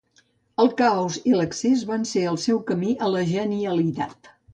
El caos i l'excés van ser el seu camí a la genialitat.